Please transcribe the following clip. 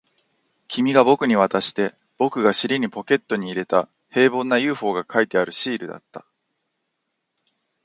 君が僕に渡して、僕が尻にポケットに入れた、平凡な ＵＦＯ が描いてあるシールだった